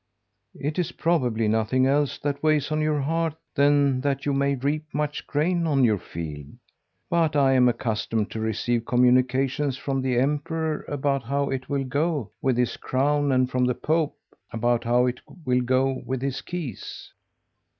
"'It is probably nothing else that weighs on your heart than that you may reap much grain on your field. But I am accustomed to receive communications from the Emperor about how it will go with his crown; and from the Pope, about how it will go with his keys.'